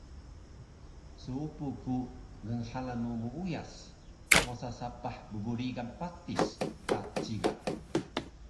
Suupu ku gnxalan mu muuyas mosa sapah bbrigan patis ka ciga